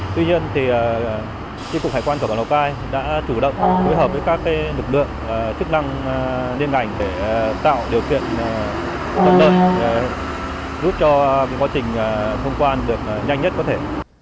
tuy nhiên thì cục hải quan cơ quan lào cai đã chủ động đối hợp với các lực lượng chức năng liên hành để tạo điều kiện tốt đơn giúp cho quá trình thông quan được nhanh nhất có thể